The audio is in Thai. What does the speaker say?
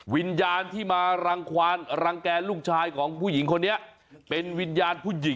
วิญญาณที่มารังควานรังแกลลูกชายของผู้หญิงคนนี้